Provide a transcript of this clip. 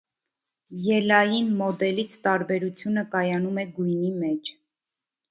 Ելային մոդելից տարբերությունը կայանում է գույնի մեջ։